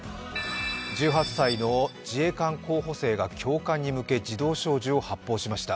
１８歳の自衛官候補生が教官に向け自動小銃を発砲しました。